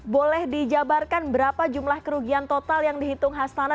boleh dijabarkan berapa jumlah kerugian total yang dihitung hastana